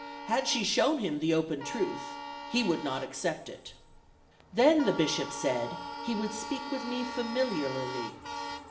Had she shown him the open truth, he would not accept it. "Then the Bishop said he would speak with me familiarly.